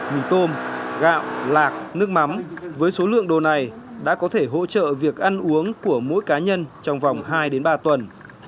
mì tôm gạo lạc nước mắm với số lượng đồ này đã có thể hỗ trợ việc ăn uống của mỗi cá nhân trong vòng hai ba tuần